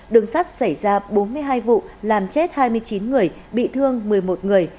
đường sắt xảy ra bốn mươi hai vụ làm chết hai mươi chín người bị thương một mươi một người